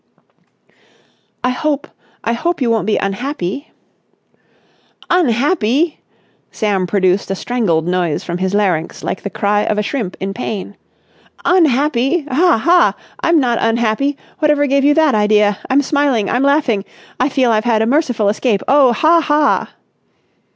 "I hope—I hope you won't be unhappy." "Unhappy!" Sam produced a strangled noise from his larynx like the cry of a shrimp in pain. "Unhappy! Ha! ha! I'm not unhappy! Whatever gave you that idea? I'm smiling! I'm laughing! I feel I've had a merciful escape. Oh, ha, ha!"